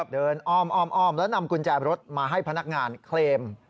อ้อมแล้วนำกุญแจรถมาให้พนักงานเคลม